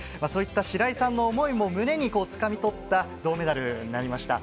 白井さんの思いを胸に掴み取った銅メダルになりました。